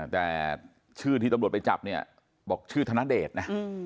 แต่ชื่อที่ตำรวจไปจับเนี่ยบอกชื่อธนเดชนะ